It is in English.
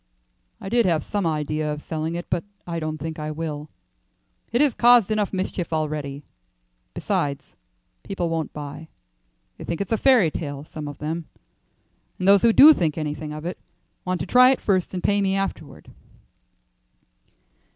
"I did have some idea of selling it, but I don't think I will. It has caused enough mischief already. Besides, people won't buy. They think it's a fairy tale; some of them, and those who do think anything of it want to try it first and pay me afterward."